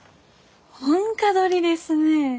本歌取りですね。